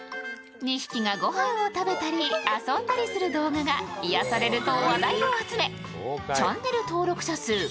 ２匹が御飯を食べたり遊んだりする動画が癒やされると話題を集めチャンネル登録者数